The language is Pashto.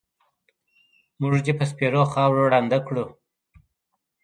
مونږ دې په سپېرو خاورو ړانده کړو